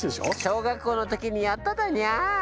小学校の時にやっただにゃ。